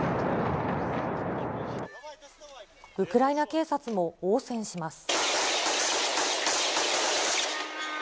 ウクライナ警察も応戦します。